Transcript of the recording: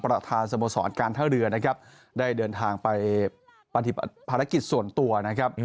ประธานสโมสรการท่าเรือนะครับได้เดินทางไปปฏิบัติภารกิจส่วนตัวนะครับ